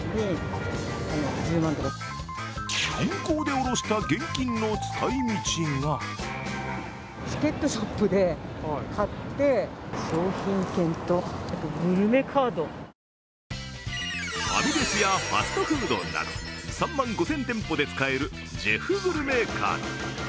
銀行でおろした現金の使い道がファミレスやファストフードなど３万５０００店舗で使えるジェフグルメカード。